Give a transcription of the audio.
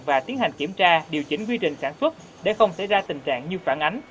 và tiến hành kiểm tra điều chỉnh quy trình sản xuất để không xảy ra tình trạng như phản ánh